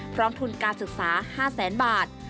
พร้อมทุนการศึกษา๕๐๐๐๐๐บาท